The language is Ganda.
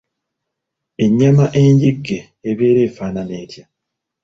Ennyama enjigge ebeera efaanana etya?